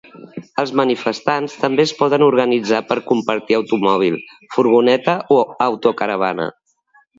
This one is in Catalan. Els manifestants també es poden organitzar per compartir automòbil, furgoneta o autocaravana.